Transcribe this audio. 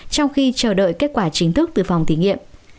trong khi chờ đợi kết quả chính thức từ phòng thí nghiệm